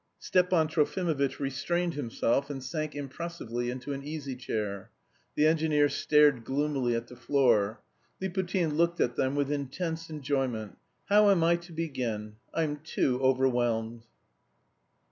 Stepan Trofimovitch restrained himself and sank impressively into an easy chair. The engineer stared gloomily at the floor. Liputin looked at them with intense enjoyment, "How am I to begin?... I'm too overwhelmed...."